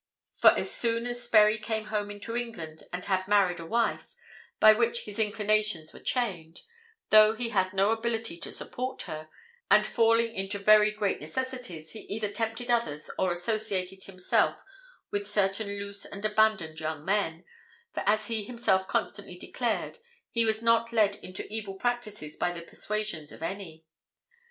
For as soon as Sperry came home into England and had married a wife, by which his inclinations were chained, though he had no ability to support her, and falling into very great necessities, he either tempted others or associated himself with certain loose and abandoned young men, for as he himself constantly declared, he was not led into evil practices by the persuasions of any.